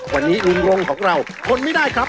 วันนี้ลุงรงของเราทนไม่ได้ครับ